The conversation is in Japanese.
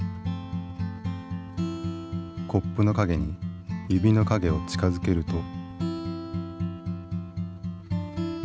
コップの影に指の影を近づけると。